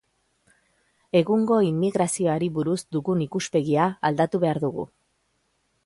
Egungo immigrazioari buruz dugun ikuspegia aldatu behar dugu.